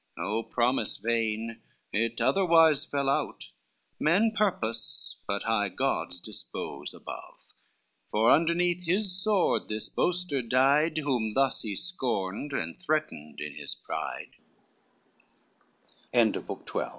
O promise vain! it otherwise fell out: Men purpose, but high gods dispose above, For underneath his sword this boaster died Whom thus he scorned and threatened i